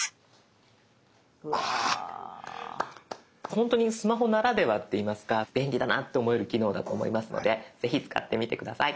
本当にスマホならではって言いますか便利だなと思える機能だと思いますのでぜひ使ってみて下さい。